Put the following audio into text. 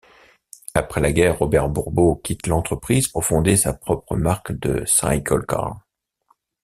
Après la guerre, Robert Bourbeau quitte l'entreprise pour fonder sa propre marque de cyclecar.